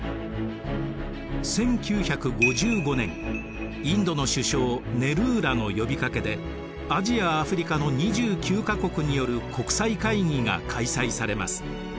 １９５５年インドの首相ネルーらの呼びかけでアジアアフリカの２９か国による国際会議が開催されます。